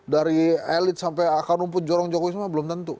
dari elit sampai akar rumput jorong jokowi semua belum tentu